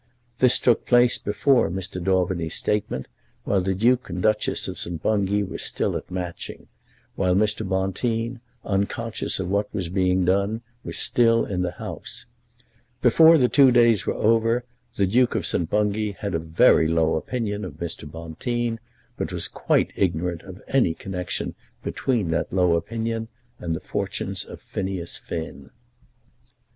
This took place before Mr. Daubeny's statement, while the Duke and Duchess of St. Bungay were still at Matching, while Mr. Bonteen, unconscious of what was being done, was still in the House. Before the two days were over, the Duke of St. Bungay had a very low opinion of Mr. Bonteen, but was quite ignorant of any connection between that low opinion and the fortunes of Phineas Finn.